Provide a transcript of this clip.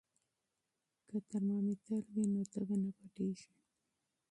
که ترمامیتر وي نو تبه نه پټیږي.